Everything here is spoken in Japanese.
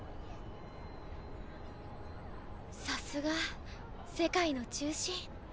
さすが世界の中心。